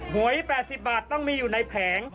หวย๘๐บาทต้องมีอยู่ในแผง